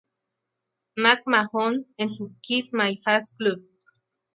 McMahon en su "Kiss My Ass Club".